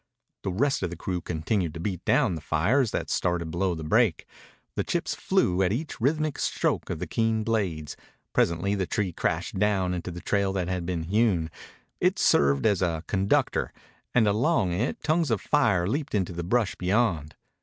The rest of the crew continued to beat down the fires that started below the break. The chips flew at each rhythmic stroke of the keen blades. Presently the tree crashed down into the trail that had been hewn. It served as a conductor, and along it tongues of fire leaped into the brush beyond.